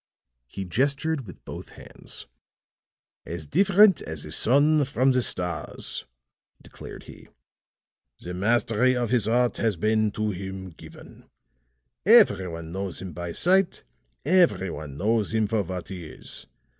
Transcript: He gestured with both hands. "As different as the sun from the stars," declared he. "The mastery of his art has been to him given. Every one knows him by sight; every one knows him for what he is.